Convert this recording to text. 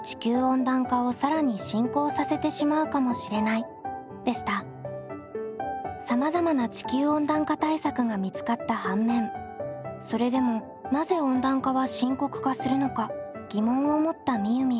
ステップ①でみゆみゆが設定した課題はさまざまな地球温暖化対策が見つかった反面それでもなぜ温暖化は深刻化するのか疑問を持ったみゆみゆ。